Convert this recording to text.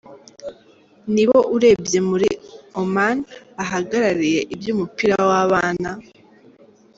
Ni bo urebye muri Oman bahagarariye iby’umupira w’abana….